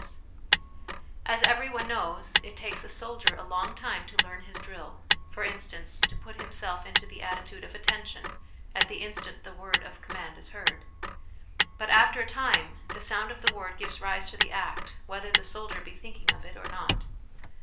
'HABIT IS TEN NATURES' 117 " As every one knows, it takes a soldier a long time to learn his drill for instance, to put himself into the attitude of ' attention ' at the instant the word of command is heard. But after a time the sound ot the word gives rise to the act, whether the soldier be thinking of it or not.